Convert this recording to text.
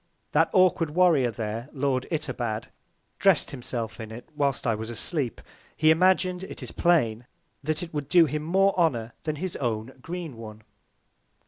That awkward Warrior there, Lord Itobad, dress'd himself in it whilst I was asleep. He imagin'd, it is plain, that it would do him more Honour than his own Green one.